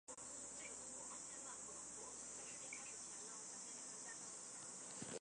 浙江余姚泗门人。